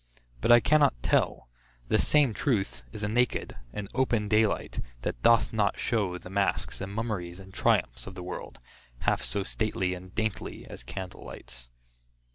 But I cannot tell; this same truth, is a naked, and open day light, that doth not show the masks, and mummeries, and triumphs, of the world, half so stately and daintily as candle lights.